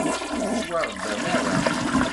Ur tettwaṛebbam ara.